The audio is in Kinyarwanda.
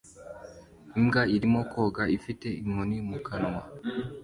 Imbwa irimo koga ifite inkoni mu kanwa